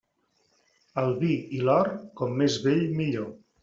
El vi i l'or, com més vell millor.